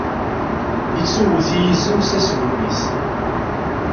Ittuwwet yizem s asgen-is.